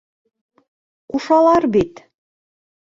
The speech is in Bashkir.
Ҡушалар бит!